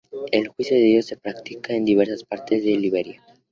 El juicio de Dios se practica en diversas partes de Liberia.